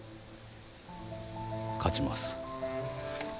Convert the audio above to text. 勝ちます。